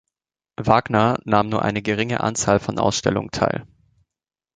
Wagner nahm nur eine geringe Anzahl von Ausstellungen teil.